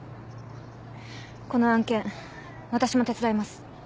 この案件私も手伝います。